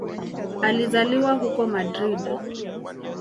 Alizaliwa huko Madrid.